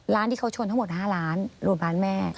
ร้านที่เขาชนทั้งหมด๕ร้านโรงพยาบาลแม่